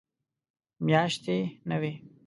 میاشتې نه وي.